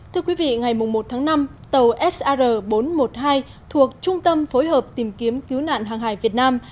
thưa quý vị ngày một tháng năm tàu sr bốn trăm một mươi hai thuộc trung tâm phối hợp tìm kiếm cứu nạn hàng hải việt nam